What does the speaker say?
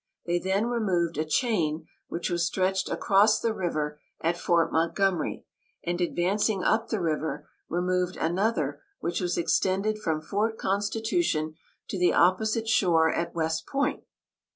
They then removed a chain which was stretched across the river at Fort Montgomery, and advancing up the river, removed another which was extended from Fort Constitution to the opposite shore at West Point.